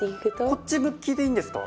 こっち向きでいいんですか？